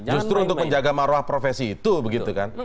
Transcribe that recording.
justru untuk menjaga maruah profesi itu begitu kan